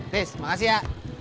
tris makasih ya